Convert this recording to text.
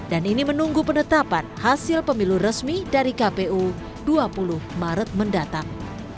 ini menunggu penetapan hasil pemilu resmi dari kpu dua puluh maret mendatang